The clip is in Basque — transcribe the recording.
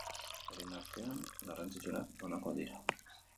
Horien artean garrantzitsuenak honakoak dira.